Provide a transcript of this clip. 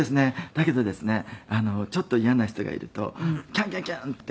だけどですねちょっと嫌な人がいるとキャンキャンキャンって。